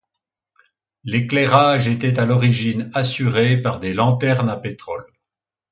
L'éclairage était à l'origine assuré par des lanternes à pétrole.